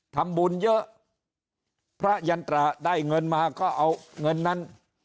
ทำบุญเยอะพระยันตราได้เงินมาก็เอาเงินนั้น